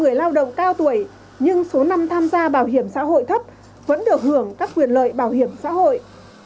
người lao động cao tuổi nhưng số năm tham gia bảo hiểm xã hội thấp vẫn được hưởng các quyền lợi bảo hiểm xã hội